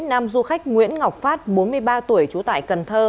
nam du khách nguyễn ngọc phát bốn mươi ba tuổi trú tại cần thơ